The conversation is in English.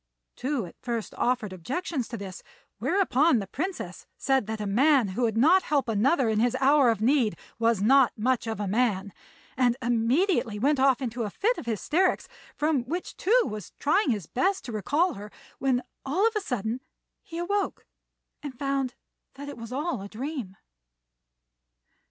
Tou at first offered objections to this; whereupon the Princess said that a man who would not help another in his hour of need was not much of a man, and immediately went off into a fit of hysterics, from which Tou was trying his best to recall her, when all of a sudden he awoke and found that it was all a dream.